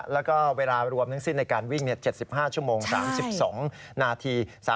แล้วก็เวลารวมทั้งสิ้นในการวิ่ง๗๕ชั่วโมง๓๒นาที